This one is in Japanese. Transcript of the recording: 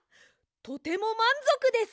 とてもまんぞくです！